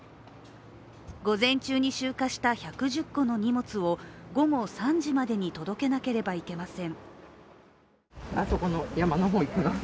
午前中に集荷した１１０個の荷物を午後３時までに届けなければいけません。